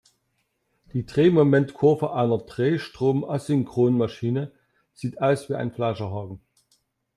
Die Drehmomentkurve einer Drehstrom-Asynchronmaschine sieht aus wie ein Fleischerhaken.